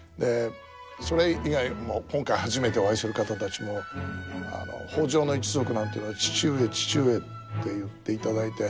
それ以外も今回初めてお会いする方たちも北条の一族なんていうのは「父上父上」って言っていただいて。